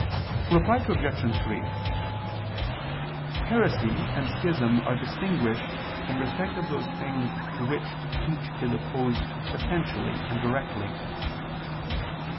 Reply Obj. 3: Heresy and schism are distinguished in respect of those things to which each is opposed essentially and directly.